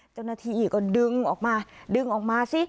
เจ้าหน้าที่ก็ดึงออกมาดึงออกมาสิ